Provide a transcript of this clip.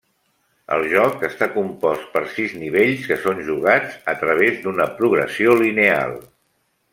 El joc està compost per sis nivells que són jugats a través d'una progressió lineal.